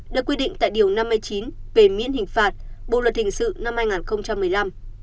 được quy định tại điều năm mươi chín về miễn hình phạt bộ luật hình sự năm hai nghìn một mươi năm